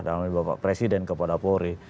dan oleh bapak presiden kepada polri